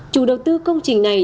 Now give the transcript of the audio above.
chủ đầu tư công trình này